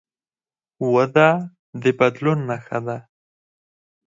وده د بدلون نښه ده.